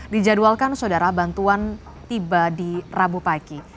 dijadwalkan saudara bantuan tiba di rabu pagi